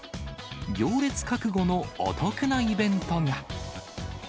行列覚悟のお得なイベントが。